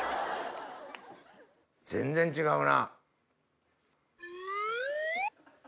全然違うな。